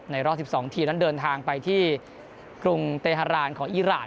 รอบ๑๒ทีมนั้นเดินทางไปที่กรุงเตฮารานของอีราน